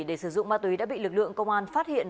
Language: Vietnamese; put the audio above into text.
để sử dụng ma túy đã bị lực lượng công an phát hiện